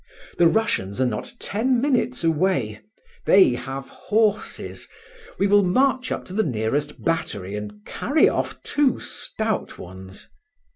The Russians are not ten minutes away; they have horses; we will march up to the nearest battery and carry off two stout ones."